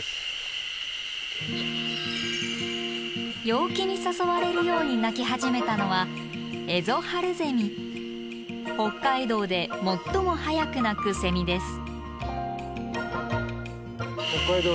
陽気に誘われるように鳴き始めたのは北海道で最も早く鳴くセミです。